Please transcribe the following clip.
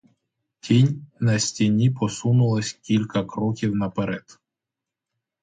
Тінь на стіні посунулася кілька кроків наперед.